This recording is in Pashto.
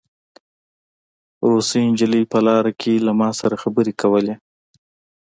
روسۍ نجلۍ په لاره کې له ما سره خبرې کولې